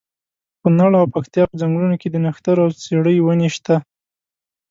کونړ او پکتیا په ځنګلونو کې د نښترو او څېړۍ ونې شته.